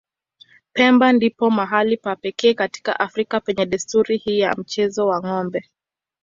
Pemba ndipo mahali pa pekee katika Afrika penye desturi hii ya mchezo wa ng'ombe.